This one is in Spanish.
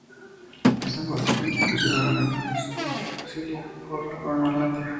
Desacuerdos políticos llevaron el Universo a cambiar Brasilia por Uberlândia.